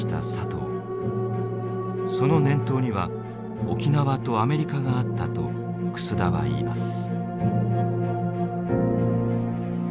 その念頭には沖縄とアメリカがあったと楠田は言います。